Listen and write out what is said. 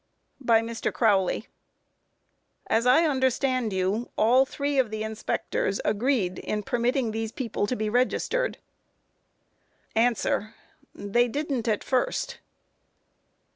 By MR. CROWLEY: Q. As I understand you, all three of the inspectors agreed in permitting these people to be registered? A. They didn't at first.